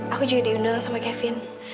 aku juga diundang sama kevin